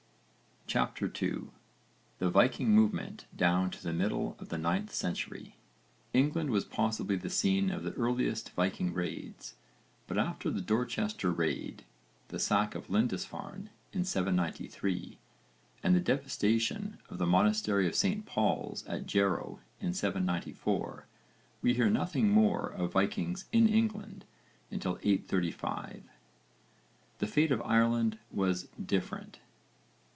CHAPTER II THE VIKING MOVEMENT DOWN TO THE MIDDLE OF THE 9TH CENTURY England was possibly the scene of the earliest Viking raids, but after the Dorchester raid, the sack of Lindisfarne in 793 (v. supra, p. 5), and the devastation of the monastery of St Paul at Jarrow in 794 we hear nothing more of Vikings in England until 835. The fate of Ireland was different.